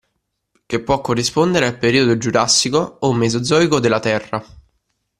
Che può corrispondere al periodo giurasico o mesozoico della Terra.